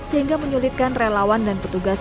sehingga menyulitkan relawan dan petugas